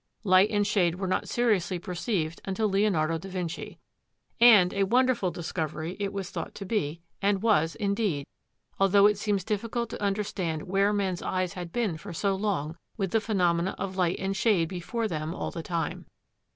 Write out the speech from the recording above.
Light and shade were not seriously perceived until Leonardo da Vinci. And a wonderful discovery it was thought to be, and was, indeed, although it seems difficult to understand where men's eyes had been for so long with the phenomena of light and shade before them all the time.